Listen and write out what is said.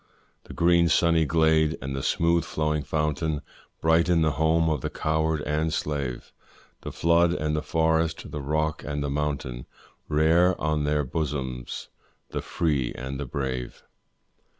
The green sunny glade, and the smooth flowing fountain, Brighten the home of the coward and slave; The flood and the forest, the rock and the mountain, Rear on their bosoms the free and the brave.